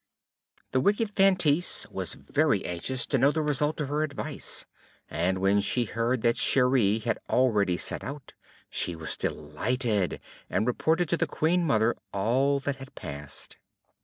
The wicked Feintise was very anxious to know the result of her advice; and when she heard that Cheri had already set out, she was delighted, and reported to the Queen Mother all that had passed.